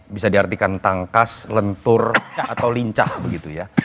bisa diartikan tangkas lentur atau lincah begitu ya